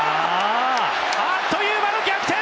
あっという間の逆転！